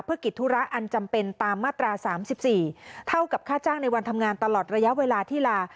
เพื่อกิจธุระอันจำเป็นตามมาตรา๓๔เท่ากับค่าจ้างในวันทำงานตลอดระยะเวลาที่ลา